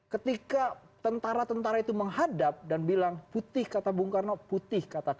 ketika tentara tentara itu menghadap dan bilang putih kata bung karno putih